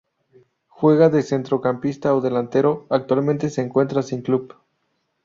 Juega de centrocampista o delantero, actualmente se encuentra sin club.